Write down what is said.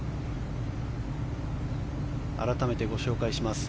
改めてご紹介します。